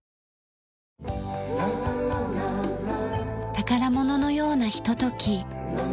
宝物のようなひととき。